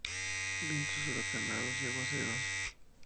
Vientos huracanados y aguaceros.